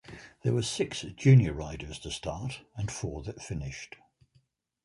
There were six "junior" riders to start and four that finished.